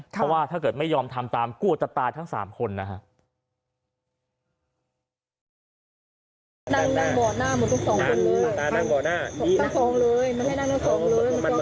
เพราะว่าถ้าเกิดไม่ยอมทำตามกลัวจะตายทั้ง๓คนนะครับ